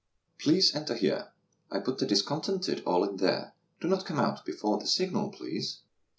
Please enter here. I put the discontented all in there; Do not come out before the signal, please.